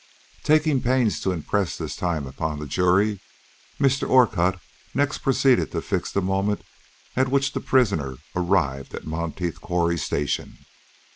Taking pains to impress this time upon the jury, Mr. Orcutt next proceeded to fix the moment at which the prisoner arrived at Monteith Quarry Station.